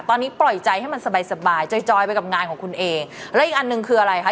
ตอนนี้ปล่อยใจให้มันสบายสบายจอยจอยไปกับงานของคุณเอและอีกอันหนึ่งคืออะไรคะ